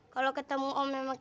tidak ada yang sudah